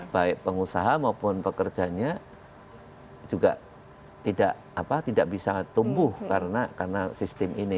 baik pengusaha maupun pekerjanya juga tidak bisa tumbuh karena sistem ini